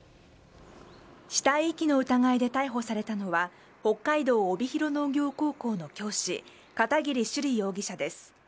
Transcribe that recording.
死体遺棄の疑いで逮捕されたのは北海道帯広農業高校の教師片桐朱璃容疑者です。